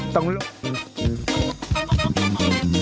ตรง